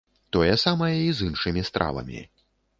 Тое самае і з іншымі стравамі.